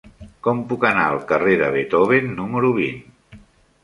Com puc anar al carrer de Beethoven número vint?